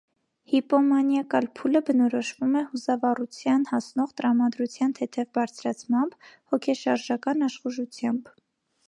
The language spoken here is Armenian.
Հիպոմանիակալ փուլը բնորոշվում է հուզավառության հասնող տրամադրության թեթև բարձրացմամբ, հոգեշարժական աշխուժությամբ։